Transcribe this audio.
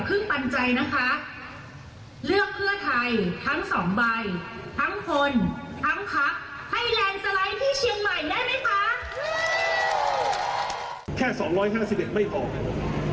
แค่๒๕๑เสียงไม่ออก